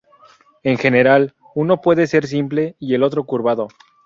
En general, uno puede ser simple y el otro curvado.